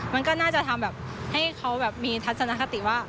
มันก็น่าจะทำให้เขาแบบมีทัศนคติว่า